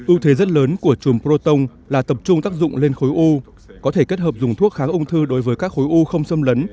ưu thế rất lớn của chùm proton là tập trung tác dụng lên khối u có thể kết hợp dùng thuốc kháng ung thư đối với các khối u không xâm lấn